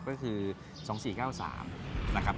ก็คือ๒๔๙๓นะครับ